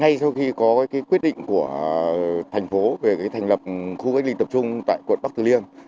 trước khi có quyết định của thành phố về thành lập khu cách ly tập trung tại quận bắc thứ liêng